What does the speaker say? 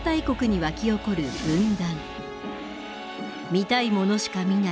「見たいものしか見ない」。